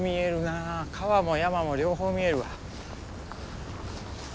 川も山も両方見えるわ。